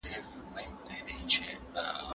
جهاد د باطل د لکيو د ماتولو یوازینۍ لاره ده.